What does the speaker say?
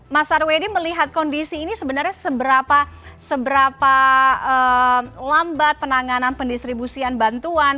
mas arwedi melihat kondisi ini sebenarnya seberapa lambat penanganan pendistribusian bantuan